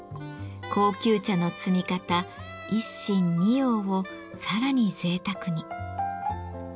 高級茶の摘み方一芯二葉をさらにぜいたくに。